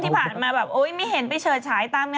เล่นกับใครเป็นภาพเอง